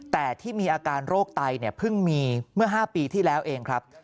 แต่ที่มีอาการโรคไตเนี่ยเพิ่งมีเมื่อ๕ปีที่แล้วเองครับ